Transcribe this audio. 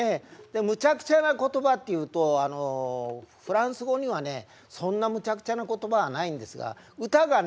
むちゃくちゃな言葉っていうとフランス語にはねそんなむちゃくちゃな言葉はないんですが歌がね